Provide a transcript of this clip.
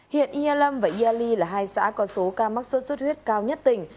hiện yelam và yali là hai xã có số ca mắc sốt sốt huyết cao nhất tỉnh